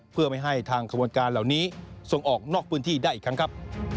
เพื่อไม่ให้ทางขบวนการเหล่านี้ส่งออกนอกพื้นที่ได้อีกครั้งครับ